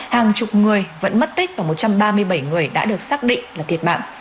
hàng chục người vẫn mất tích và một trăm ba mươi bảy người đã được xác định là thiệt mạng